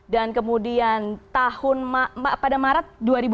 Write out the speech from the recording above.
dan kemudian pada maret dua ribu lima belas